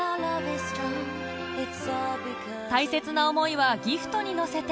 大切な思いはギフトに乗せて